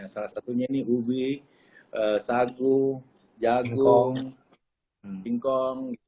salah satunya ini ubi sagu singkong dan jagung